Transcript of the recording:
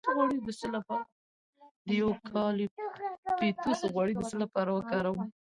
د یوکالیپټوس غوړي د څه لپاره وکاروم؟